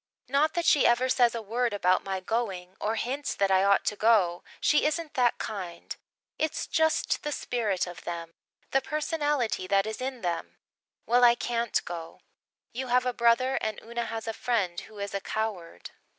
Not that she ever says a word about my going or hints that I ought to go she isn't that kind. It's just the spirit of them the personality that is in them. Well, I can't go. You have a brother and Una has a friend who is a coward."